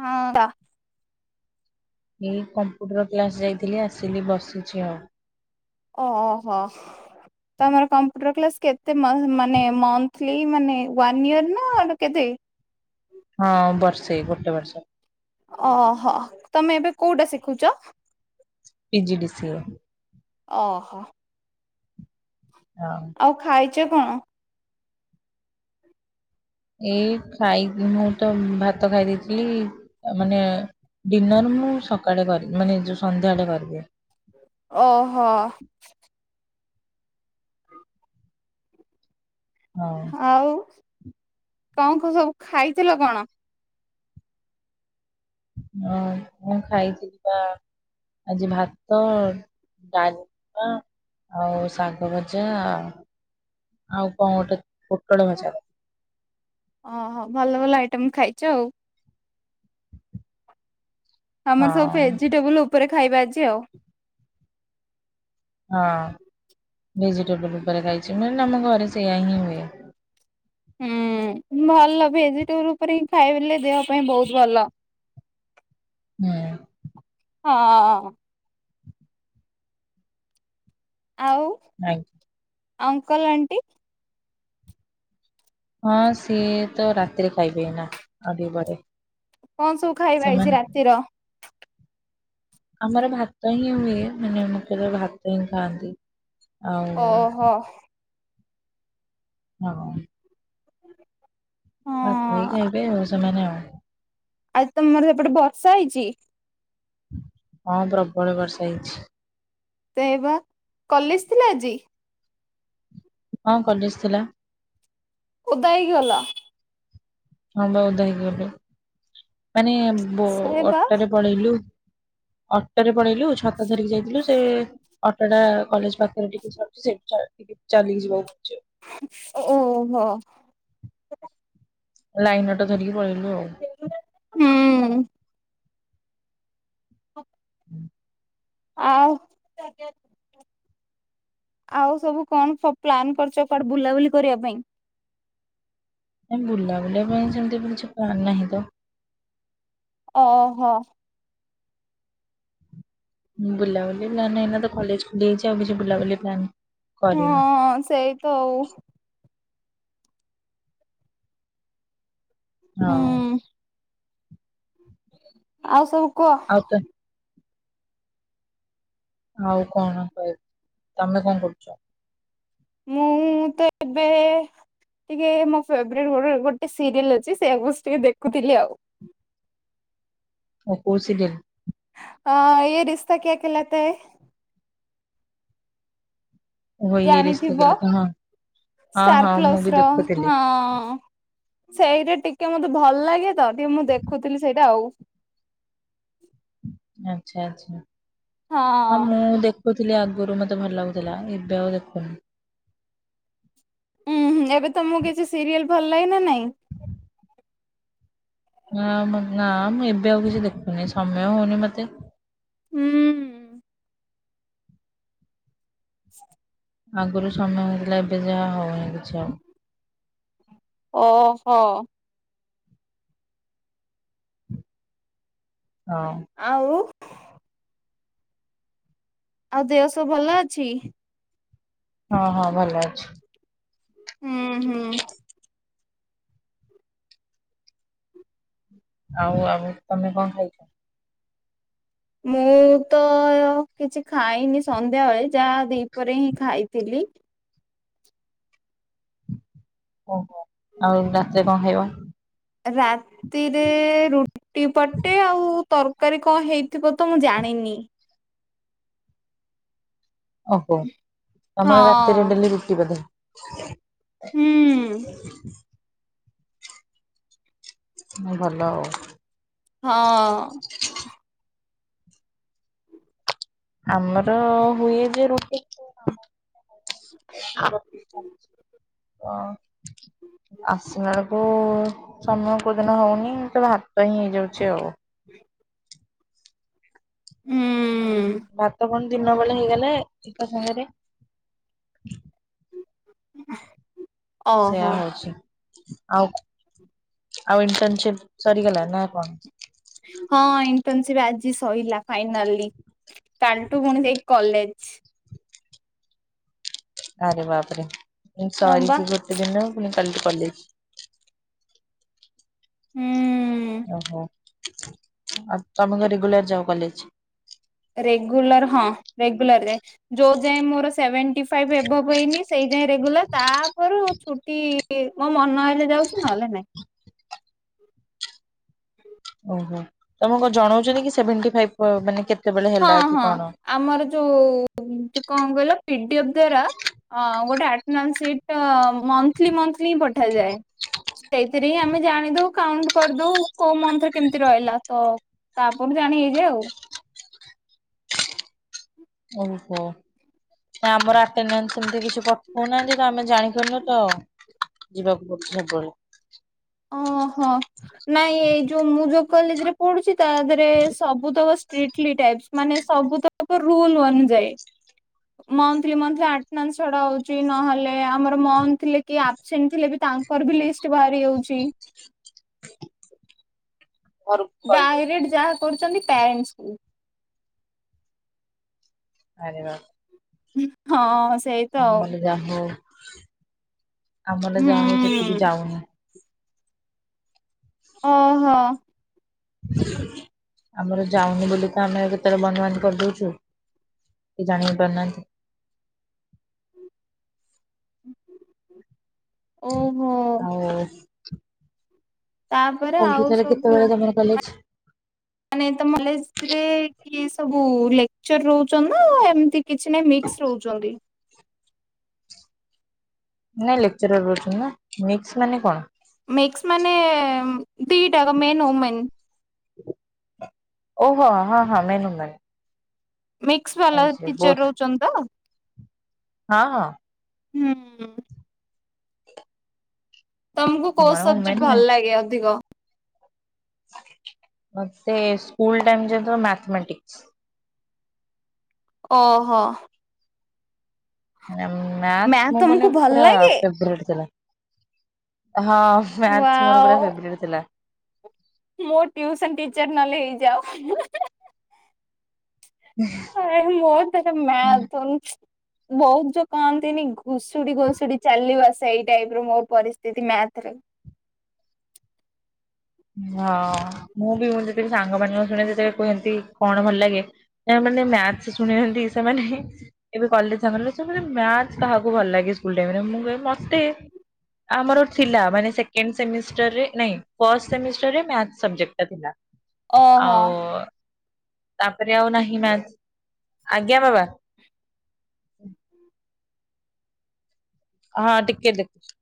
ହଁ ବା। ଏଇ କମ୍ପ୍ୟୁଟର କ୍ଲାସ୍ ଯାଇଥିଲି ଆସିଲି ବସିଛି ଆଉ। ଓହୋ। ତୋମର କମ୍ପ୍ୟୁଟର କ୍ଲାସ୍ କେତେ ମ-ମାନେ ମନ୍ଥଲି ମାନେ ୱାନ୍ ଇୟର୍ ନା ଆଉ ତ କେତେ? ହଁ ବର୍ଷେ ଗୋଟେ ବର୍ଷ। ଓହୋ, ତୋମେ ଏବେ କୋଉଟା ଶିଖୁଛ? ପିଜିି ଡି ସିଏ। ଓହୋ। ହଁ। ଆଉ ଖାଇଛ କଣ? ଏଇ ଖାଇକି ମୁଁ ତ ଭାତ ଖାଇ ଦେଇଥିଲି ଆ, ମାନେ ଡିନର୍ ମୁଁ ସକାଳେ କରି ମାନେ ଯୋଉ ସନ୍ଧ୍ୟାବେଳେ କରିଦିଏ। ଓହୋ। ହଁ। ଆଉ କଣ କ ସବୁ ଖାଇଥିଲ କଣ? ମୋ ମୁଁ ଖାଇଥିଲି ପା ଆଜି ଭାତ ଡାଲମା ଆଉ ଶାଗ ଭଜା। ଆଉ କଣ ଗୋଟେ ପୋଟଳ ଭଜା। ଓହୋ, ଭଲ ଭଲ ଆଇଟମ୍ ଖାଇଛ ଆଉ। ଆମର ସବୁ ହଁ ଭେଜିଟେବୁଲ୍ ଉପରେ ଖାଇବା ଆଜି ଆଉ। ହଁ ଭେଜିଟେବୁଲ୍ ଉପରେ ଖାଇଛି ମେନଲେ ଆମ ଘରେ ସେଇୟା ହିଁ ହୁଏ। ହୁଁ, ଭଲ ଭେଜିଟେବୁଲ୍ ଉପରେ ହିଁ ଖାଇଲେ ଦେହ ପାଇଁ ବହୁତ ଭଲ। ହଁ। ହଁ। ଆଉ ଆଜ୍ଞ ଅଙ୍କଲ୍ ଆଣ୍ଟି ହଁ ସିଏ ତ ରାତିରେ ଖାଇବେ ଏଇନା ଆଉ ଟିକେ ପରେ। କଣ ସବୁ ଖାଇବା ସେମାନେ ହେଇଛି ରାତିର? ଆମର ଭାତ ହିଁ ହୁଏ ମାନେ ମୁଖ୍ୟତଃ ଭାତ ହିଁ ଖାଆନ୍ତି। ଆଉ ଓହୋ। ନା କଣ? ଭାତ ହିଁ ହଁ ଖାଇବେ ଆଉ ସେମାନେ ଆଉ। ଆଜି ତୋମର ସେପଟେ ବର୍ଷା ହେଇଛି? ହଁ ପ୍ରବଳ ବର୍ଷା ହେଇଚି। ସେଇବା କଲେଜ ଥିଲା ଆଜି? ହଁ କଲେଜ ଥିଲା। ଓଦା ହେଇକି ଗଲା। ହଁ ବଉଦ ହେଇଗଲୁ ମାନେ ସେ ବା ଅଟୋରେ ପଳେଇଲୁ। ଅଟୋରେ ପଳେଇଲୁ ଛତା ଧରିକି ଯାଇଥିଲୁ। ସେ ଅଟୋଟା କଲେଜ ପାଖରୁ ଟିକେ ଛାଡୁଛି ଟିକେ ସେଠୁ ଚାଲିକି ଯିବାକୁ ପଡୁଛି। ଓହୋ। ଲାଇନ ଅଟୋ ଧରିକି ପଳେଇଲୁ ଆଉ। ହୁଁ। ହଁ। ଆଉ। ଆଉ ସବୁ କଣ ଖ ପ୍ଲାନ କରିଛ କୁଆଡେ ବୁଲାବୁଲି କରିବା ପାଇଁ? ନାଇ ବୁଲା ବୁଲିିବା ପାଇଁ ସେମିତି କିଛି ପ୍ଲାନ ନାହିଁ ତ। ଓ ଓହୋ। ବୁଲାବୁଲି ପ୍ଲାନ ଏଇନେ ତ କଲେଜ ଖୋଲିଲିଯାଇଛି ଆଉ କିଛି ବୁଲାବୁଲି ପ୍ଲାନ ହଁ ହଁ ହଁ ସେଇ ତ ଆଉ। ହଁ। ହୁଁ ଆଉ ସବୁ କୁହ। [unintelligible] ଆଉ କଣ କହିବି ତମେ କଣ କରୁଛ? ମୁଁ ତ ଏବେ ଟିକେ ମୋ ଫେବରେଟ୍ ଗୋ ଗୋଟେ ସିରିଏଲ ଅଛି ସେଇଆ ବସିକି ଟିକେ ଦେଖୁଥିଲି ଆଉ। ହଁ କଉଁ ସିରିୟେଲ? ଆଁ ଏଇ ରିସ୍ତା କ୍ୟା ଖିଲାତାଏ। ଓହୋ ଇଏ ରିସ୍ତା ଜାଣିଥିବ କେଲେ ତ ହଁ ହଁ ଷ୍ଟାର ହଁ ମୁଁ ପ୍ଲସ୍ ବି ର ଦେଖୁଥିଲି। ହଁ। ସେଇଟା ଟିକେ ମତେ ଭଲ ଲାଗେ ତ ଟିକେ ମୁଁ ଦେଖୁଥିଲି ସେଇଟା ଆଉ। ଆଚ୍ଛା ଆଚ୍ଛା ହଁ ମୁଁ ଦେଖ। କହୁଥିଲି ଆଗରୁ ମୋତେ ଭଲ ଲାଗୁଥିଲା ଏବେ ଆଉ ଦେଖୁନି। ଉୁଁ ହୁଁ ଏବେ ତମକୁ କିଛି ସିରିଏଲ ଭଲ ଲାଗେ ନା ନାଇଁ? ନାଁ ମୁଁ ନାଁ ଏବେ ଆଉ କିଛି ଦେଖୁନି ସମୟ ହଉନି ମୋତେ। ହୁଁ। [unintelligible] ଆଗରୁ ସମୟ ହେଇଥିଲା ଏବେ ଯାହା ହଉନି କିଛି ଆଉ। ଓହୋ। ହଁ। ଆଉ। ଆଉ ଦେହ ସବୁ ଭଲ ଅଛି? ହଁ ହଁ ଭଲ ଅଛି। ହୁଁ ହୁଁ। ଆଉ ଆଉ ତମେ କଣ ଖାଇଛ? ମୁଁ ତ ମୁଁ କିଛି ଖାଇନି ସନ୍ଧ୍ୟାବେଳେ ଯାହା ଦିପହରେ ହିଁ ଖାଇଥିଲି। ଓହୋ ଆଉ ରାତିରେ କଣ ଖାଇବ। ରାତିରେ ରୁଟି ପଟେ ଆଉ ତର କାରୀ କଁ ହେଇଥିବ ତ ମୁଁ ଜାଣିନି। ଓହୋ ତମର ରାତିରେ ହଁ ଡେଲି ରୁଟିି ବୋଧେ। ହୁଁ। ହୁଁ ଭଲ ଆଉ। ହଁ। ଆମର ହୁଏ ଯେ ରୁଟି [inaudible] [unintelligible] [inaudible] ଓ ଆସିବାବେଳୁକୁ ସମୟ କୋଉ ଦିନ ହଉନି ତ ଭାତ ହିଁ ହେଇଯାଉଛି ଆଉ। [inaudible] ହୁଁ। ଭାତ କଣ ଦିନବେଳେ ହେଇଗଲେ ଏକା ସାଙ୍ଗେରେ। [unintelligible] ସେୟା ଓହୋ ହଉଛି। ଆଉ ଆଉ ଇଣ୍ଟର୍ନସିପ୍ ସରିଗଲା ନା କଣ। ହଁ ଇଣ୍ଟର୍ନସିପ୍ ଆଜି ସଇଲା ଫାଇନାଲି। କାଲିଠୁ ଫୁଣି ସେଇ କଲେଜ୍। ଆରେ ବାପରେ ମୁଁ ହଁ ବା ସରିଛି ଗୋଟେ ଦିନ ଫୁଣି କାଲିଠୁ କଲେଜ୍। ହୁଁ। ଓହୋ ଆଉ ତମେ କଁ ରେଗୁଲାର ଯାଅ କଲେଜ୍। ରେଗୁଲାର ହଁ ରେଗୁଲାର ଯାଏ। ଯୋଉ ଯାଏଁ ମୋର ସେଭେଣ୍ଟି ଫାଇଭ୍ ଏଭବ୍ ହେଇନି ସେଇ ଯାଏଁ ରେଗୁଲାର ତାପରୁ ଛୁଟି କି ମୋ ମନ ହେଲେ ଯାଉଛି ନହେଲେ ନାହିଁ। ଓହୋ ତମକୁ କଁ ଜଣଉଛନ୍ତି କି ସେଭେଣ୍ଟି ଫାଇଭ ମାନେ କେ ହଁ ହଁ ଆମର ଯୋଉ ଉଁ ଚୁ କଁ କହିଲ ପିଡିଏଫ୍ ଦ୍ୱାରା ଅଁ ଗୋଟେ attendance sheet monthly monthly ପଠାଯାଏ ସେଇଥିରେ ହିଁ ଆମେ ଜାଣିଦଉ କାଉଣ୍ଟୁ କରିଦଉ କୋଉ ମନ୍ଥରେ କେମତି ରହିଲା ତ ତା [unintelligible] ଜାଣି ହେଇଯାଏ ଆଉ। ଓହୋ। ତ ଆମର ଆଟେନାନ୍ସ ସେମତି କିଛି ପଠଉନାହାନ୍ତି ତ ଆମେ ଜାଣିପାରୁନୁ ତ ଯିବାକୁ ପଡୁଛି ସବୁବେଳେ। ଓହୋ। ନାଇଁ ଏଇ ଯୋଉ ମୁଁ ଯୋଉ କଲେଜରେ ପଢୁଛି ତାଧେରେ ସବୁତକ ଷ୍ଟ୍ରିଟଲି ଟାଇପ୍ସ୍ ମାନେ ସବୁ ତ କ ରୁଲୁ ଅନୁଯାୟୀ। ମନ୍ଥଲି ମନ୍ଥଲି ଆଟନାନ୍ସ ଛଡା ହଉଚି ନହେଲେ ଆମର ମନ୍ଥଲି କିଏ ଆବସେଣ୍ଟ ଥିଲେ ବି ତାଙ୍କ୍ କର ବି ଲିଷ୍ଟି ଭାରିଯାଉଛି। ଘରକୁ କଲ୍ ଯାଉଛି। ଡାଇରେଟ୍ ଯାହା କରୁଛନ୍ତି ପ୍ୟାରେଣ୍ଟସକୁ। ଆରେ ବାପ୍ ହୁଁ। ହଁ ସେଇ ଆମଲ ଯା ହଉ ଆମଲ ଯା ହଉ ସେତିକି ହୁଁ ଯାଉନି। ଓହୋ। ଆମର ଯାଉନି ବୋଲି ତ ଆମେ କେତେବେଳେ ବନ୍ଦ ବାନ୍ଦ କରିଦଉଚୁ। କେଇ ଜାଣି ପାରୁନାହାନ୍ତି। ଓହୋ ଆଉ ତାପରେ [unintelligible] ଆଉ ସବୁ କେତେବେଳେ ଗଲେଣି କଲେଜ? ମାନେ ତମ କଲେଜରେ କିଏ ସବୁ ଲେକ୍ଚର ରହୁଚନ୍ତି ନା, ଏମିତି କିଛି ନାହିଁ ମିକ୍ସ ରହୁଚନ୍ତି। ନାଇଁ ଲେକ୍ଚର ରହୁଚନ୍ତି ନା, ମିକ୍ସ ମାନେ କଣ? ମିକ୍ସ ମାନେ ଦିଟା ଆକ, ମେନ୍ ଓମେନ୍। ଓ ହୋ ହଁ ହଁ, ମେନ୍ ଓମେନ୍। ମିକିସ୍ ବାଲା ଓବିଅସଲି ଟିଚର୍ ବୋଥ୍ ରହୁଚନ୍ତି ତ? ହଁ ହଁ। ହୁଁ। ତମକୁ କୋଉ ଓମେନ୍ ସବଜେକ୍ଟ ଓମେନ୍ ମେନ୍। ଭଲ ଲାଗେ ଅଧିକ? ମତେ ସ୍କୁଲ ଟାଇମ୍ ଯେତେବେଳୁ ମ୍ୟାଥମେଟିକ୍ସ୍। ଓହୋ। ମାଥ୍ ମ୍ୟାଥ ମୁଁ ମାନେ ତମକୁ ଭଲ ପୁରା ଲାଗେ? ଫେବରାଇଟ୍ ଥିଲା। ମ୍ୟାଥ଼ ମୋର ୱାଓ ପୁରା ଫେବରେଟ୍ ଥିଲା। ମୋ ଟ୍ୟୁସନ ଟିଚର୍ ନହଲେ ହେଇଯାଅ, ହୁଁ ହୁଁ। ହୁଁ। ନାଇଁ ମୋର ସେତେ ମ୍ୟାଥ୍ ହଉନି। ବହୁତ ଯୋଉ କହନ୍ତିନି ଘୁଷୁଡି ଘୁଷୁଡି ଚାଲିବା ସେଇ ଟାଇପ୍ ର ମୋର ପରିସ୍ଥିତି ମାଥ୍ ରେ। ହଁ, ମୁଁ ବି ମୁଁ ଯେତେବେଳେ ସାଙ୍ଗମାନଙ୍କ ଶୁଣେ ଯେ, ସେ କୁହେ ଏମିତି କଣ ଭଲ ଲାଗେ? ନାଇଁ ମାନେ ମ୍ୟାଥ୍ ଶୁଣିଚନ୍ତି ସେମାନେ। ଏବେ କଲେଜ ସାଙ୍ଗ [unintelligible] ମ୍ୟାଥ୍ କାହାକୁ ଭଲ ଲାଗେ ସ୍କୁଲ ଟାଇମ଼ ରେ, ମୁଁ କହିବି ମତେ। ଆମର ଥିଲା, ମାନେ ସେକଣ୍ଡ ସେମିଷ୍ଟରରେ ନାଇଁ, ଫାଷ୍ଟ ସେମିଷ୍ଟର ରେ ମ୍ୟାଥ ସବଜେକ୍ଟ ଟା ଥିଲା, ଓହୋ ଆଉ ତାପରେ ଆଉ ନାହିଁ ମ୍ୟାଥ୍, ଆଜ୍ଞା ବାବା। ହଁ ଟିକେ ଦେଖୁଚି,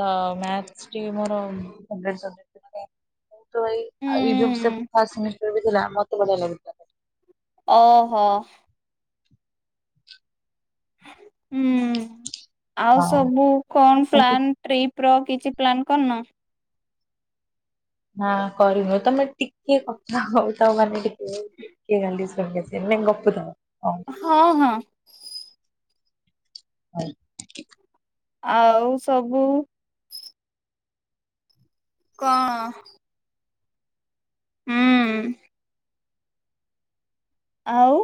ତ ମ୍ୟାଥ୍ ଟିକେ ମୋର ଫେବରାଇଟ୍ ସବଜେକଟ୍ ଥିଲା, କାହିଁକି ମୁଁ ତ ଏଇ, ଏଇଯଉ ସେ ହୁଁ। ଫାଷ୍ଟ ସେମିଷ୍ଟାର ବି ଥିଲା, ମତେ ବଢିଆ ଲାଗୁଥିଲା। ଓହୋ। ହୁଁ, ଆଉ ହଁ ସବୁ କଣ ତମେ ପ୍ଲାନ? ଟ୍ରିପ୍ ର କିଛି ପ୍ଲାନ୍ କରିନ? ନାଁ କରିନୁ, ତମେ ଟିକେ କଥା ହଉ ତ ମାନେ ଟିକେ ଟିକେ ଖାଲି ଶୁଣି ଆ ସେ ମାନେ ଗପୁ [unintelligible] ହଁ ହଁ। ହଉ। ଆଉ ସବୁ କଣ? ହୁଁ ଉଁ ଆଉ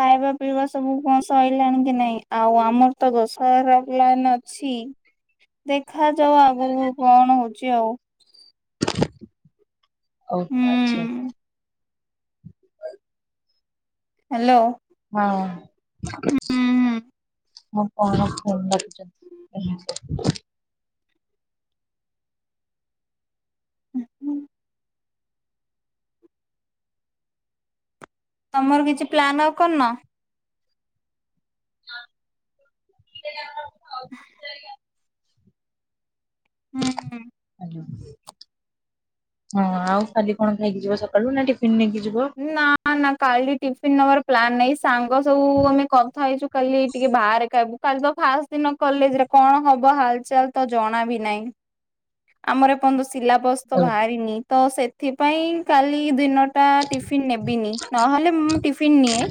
ଖାଇବା ପିଇବା ସବୁ କଣ ସରିଲାଣି କି ନାଇଁ? ଆଉ ଆମର ତ ଦଶହରା ପ୍ଲାନ ଅଛି ଛି, ଦେଖାଯାଉ ଆଗକୁ କଣ ହଉଚି ଆଉ? ଓ ହୋ ହୁଁ ଆଛା। ହାଲୋ। ହଁ ଅଁ ମୋ କଣ [unintelligible] ହୁଁ ହୁଁ। ତମର କିଛି ପ୍ଲାନ୍ ଆଉ କରିନ? [unintelligible] [unintelligible] ହଁ ହୁଁ। [inaudible] ହଁ ଆଉ କାଲି କଣ ଖାଇକି ଯିବ ସକାଳୁ ନା ଟିଫିନ୍ ନେଇକି ଯିବ? ନା ନା କାଲି ଟିଫିନ୍ ନବାର ପ୍ଲାନ୍ ନାଇଁ ସାଙ୍ଗ ସବୁ ଆମେ କଥା ହେଇଛୁ। କାଲି ଟିକେ ବାହାରେ ଖାଇବୁ କାଲି ବ ଫାଷ୍ ଦିନ କଲେଜରେ କଣ ହବ ହାଲ୍ଚାଲ୍ ତ ଜଣା ଭି ନହିଁ। [inaudible] ହ ଆମର ଏ ପର୍ଯ୍ୟନ୍ତ ସିଲାବସ ତ ବାହାରିନି ତ ସେଥିପାଇଁ କାଲି ଦିନଟା ଟିଫ୍ ଫିନ୍ ନେବିନି ନହଲେ ମୁଁ ଟିଫିନ୍ ନିଏ।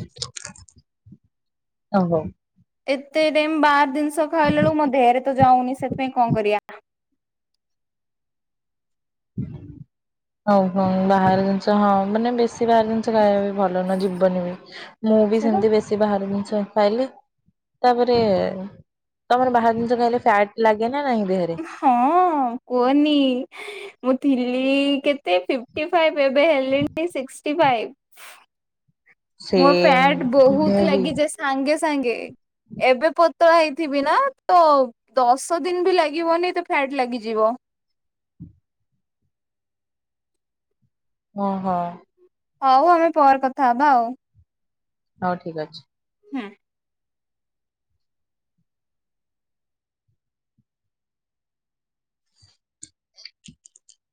[inaudible] ଓହୋ ଏତେ ଟାଇମ୍ ବାର ଦିନିଷ ଖାଇଲା ଏଳୁ ମୋ ଦେହରେ ତ ଯାଉନି ସେଥିପାଇଁ କଣ କରିୟା। [inaudible] ହୁଁ ହଉଁ ହଉଁ ବାହାହାର ଦିନିଷ ହଁ ମାନେ ବେଶୀ ବାହାର ଦିନିଷ ଖାଇବା ବି ଭଲ ନୁଅ ଯିବନି ବି। ମୁଁ ବି ସେ ବା ସେମିତି ବେଶୀ ବାହାର ଜିନିଷ ଖାଇଲେ ତାପରେ ତମର ବାହାର ଜିନିଷ ଖାଇଲେ ଫ୍ୟାଟ ଲାଗେ ନା ନାଇଁ ଦେହରେ? ହଁ କୁଅନି। ଏଁ ମୁଁ ଥିଲି କେତେ ଫିପ୍ଟି ଫାଇପ୍ ଏବେ ହେଲିଣି ସିକ୍ଟି ଫାଇପ୍। ସେ ମୋ ଫ୍ୟାଟ୍ ମୁଁ ବହୁତୁ ବି ଲାଗିଯେସ୍ ସାଙ୍ଗେ ସାଙ୍ଗେ। ଏବେ ପତଳା ହେଇଥିବି ନାଁ ତଉ ଦଶ ଦିନି ବି ଲାଗିବନି ତ ଫ୍ୟାଟ ଲାଗିଯିବ। ଙହ। ହଉ ଆମେ ପରେ କଥା ହବା ଆଉ? ହଉ ଠିକ୍ ଅଛି। ହୁଁ। [inaudible]